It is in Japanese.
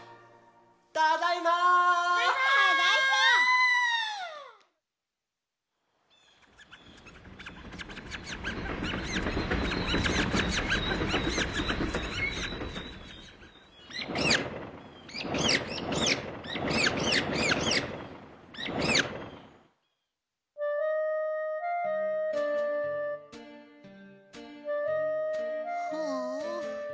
ただいま！はああ。